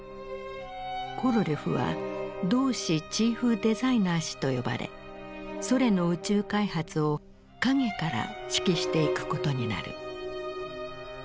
コロリョフは同志チーフデザイナー氏と呼ばれソ連の宇宙開発を陰から指揮していくことになる。